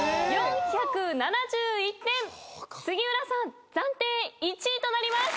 杉浦さん暫定１位となります。